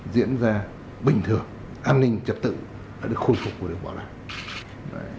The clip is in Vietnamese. diễn ra bình thường an ninh trật tự đã được khôi phục và được bảo đảm